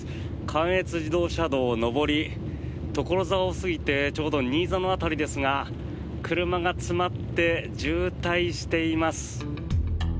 関越自動車道上り所沢を過ぎてちょうど新座の辺りですが車が詰まって渋滞しています。